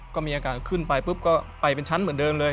ก็มีอาการขึ้นไปปุ๊บก็ไปเป็นชั้นเหมือนเดิมเลย